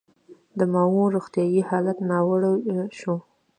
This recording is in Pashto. د ماوو روغتیايي حالت ناوړه شو.